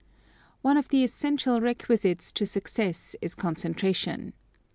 One of the essential requisites to success is concentration.